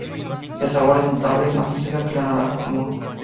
De sabor es notablemente más ácida que la naranja común.